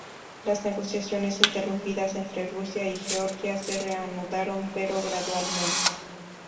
Las negociaciones interrumpidas entre Rusia y Georgia se reanudaron, pero gradualmente.